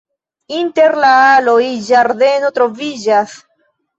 Inter la aloj ĝardeno troviĝas.